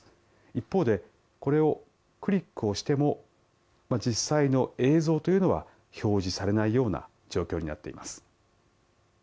一方で、これをクリックをしても実際の映像というのは表示されないような状況になっています。